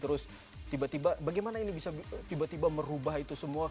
terus tiba tiba bagaimana ini bisa tiba tiba merubah itu semua